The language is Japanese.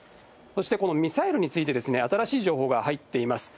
そしてこのミサイルについて新しい情報が入っています。